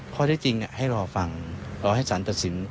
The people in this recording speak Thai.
ข้อได้จริงให้รอฟังรอให้สารตัดสิน